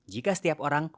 jika setiap orang